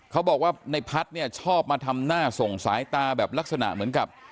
เขาบอกว่าในพัฒน์เนี่ยชอบมาทำหน้าส่งสายตาแบบลักษณะเหมือนกับ